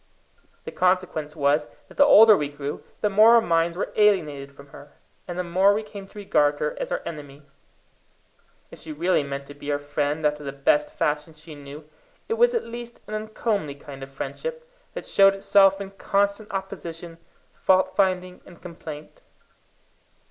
The consequence was that the older we grew, the more our minds were alienated from her, and the more we came to regard her as our enemy. If she really meant to be our friend after the best fashion she knew, it was at least an uncomely kind of friendship, that showed itself in constant opposition, fault finding, and complaint.